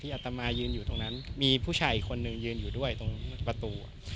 อัตมายืนอยู่ตรงนั้นมีผู้ชายอีกคนนึงยืนอยู่ด้วยตรงประตู